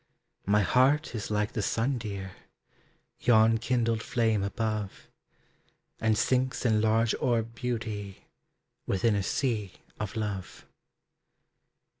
My heart is like the sun, dear, Yon kindled flame above; And sinks in large orbed beauty Within a sea of love.